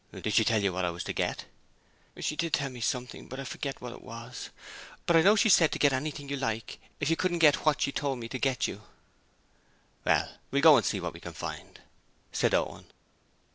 'Did she tell you what I was to get?' She did tell me something, but I forget what it was. But I know she said to get anything you like if you couldn't get what she told me to tell you.' 'Well, we'll go and see what we can find,' said Owen.